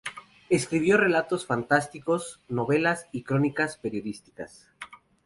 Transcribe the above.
Escribió relatos fantásticos, novelas y crónicas periodísticas.